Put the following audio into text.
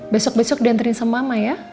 besok besok diantarin sama ma ya